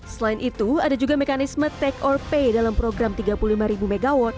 selain itu ada juga mekanisme take or pay dalam program tiga puluh lima mw